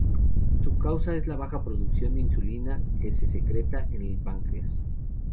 Su causa es la baja producción de insulina que se secreta en el páncreas.